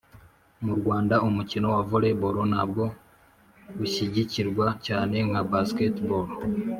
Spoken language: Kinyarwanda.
mu rwanda umukino wa volleyball ntabwo ushyigikirwa cyane nka basketball